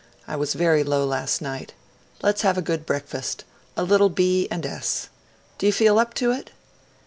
I was very low last night. Let's have a good breakfast a little b. and s. Do you feel up to it?'